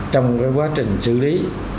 trong quá trình xử lý